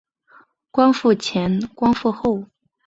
光复前光复后